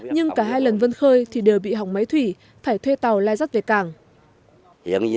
nhưng cả hai lần vân khơi thì đều bị hỏng máy thủy phải thuê tàu lai rắt về cảng